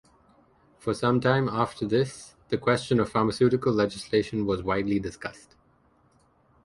For some time after this the question of pharmaceutical legislation was widely discussed.